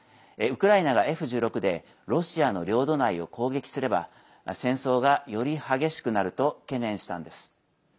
ウクライナがＦ１６でロシアの領土内を攻撃すれば戦争が、より激しくなると懸念したんです。